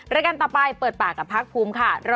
รายการต่อไปเปิดปากกับภาคภูมิค่ะ